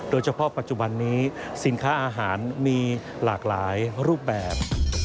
โดยเฉพาะปัจจุบันนี้สินค้าอาหารมีหลากหลายรูปแบบ